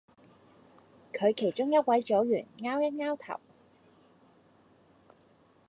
佢其中一位組員 𢯎 一 𢯎 頭